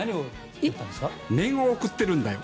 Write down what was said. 念を送ってるんだよ。